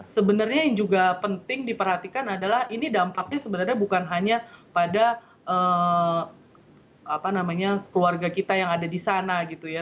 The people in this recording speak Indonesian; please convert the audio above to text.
sebenarnya yang juga penting diperhatikan adalah ini dampaknya sebenarnya bukan hanya pada keluarga kita yang ada di sana gitu ya